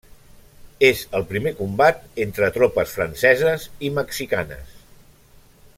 És el primer combat entre tropes franceses i mexicanes.